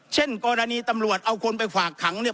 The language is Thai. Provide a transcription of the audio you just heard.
เช่นกรณีตำรวจเอาคนไปฝากขังเนี่ย